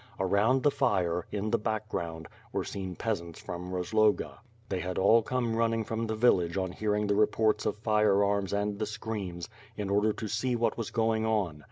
Around the fire, in the background, were seen peasants from Rozloga. They had all come running from the village on hearing the reports of firearms and the screams, in order to see what was going on.